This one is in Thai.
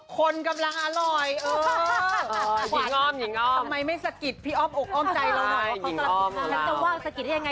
ค่ะค่ะค่ะค่ะค่ะค่ะค่ะค่ะค่ะค่ะค่ะค่ะค่ะค่ะค่ะ